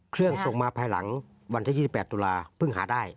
เครื่องส่งมาภายหลังวันที่๒๘ตุลาคมเพิ่งหาได้